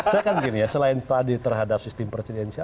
saya kan gini ya selain tadi terhadap sistem presidensial